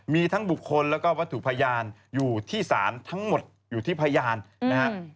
มีทั้งบุคคลแล้วก็วัตถุพยานอยู่ที่ศาลทั้งหมดอยู่ที่พยานนะครับ